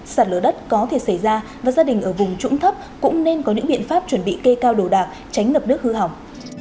sạt lở đất có thể xảy ra và gia đình ở vùng trũng thấp cũng nên có những biện pháp chuẩn bị cây cao đồ đạc tránh ngập nước hư hỏng